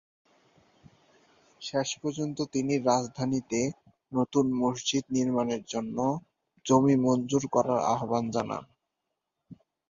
শেষ পর্যন্ত তিনি রাজধানীতে নতুন মসজিদ নির্মাণের জন্য জমি মঞ্জুর করার আহ্বান জানান।